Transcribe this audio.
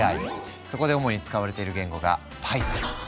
そこで主に使われている言語が「Ｐｙｔｈｏｎ」。